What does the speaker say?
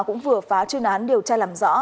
cũng vừa phá chương án điều tra làm rõ